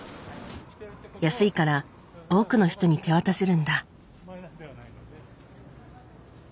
安いから多くの人に手渡せるんだ。